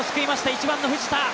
１番の藤田。